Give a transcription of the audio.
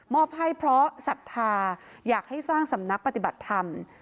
อบให้เพราะศรัทธาอยากให้สร้างสำนักปฏิบัติธรรม